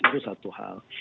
itu satu hal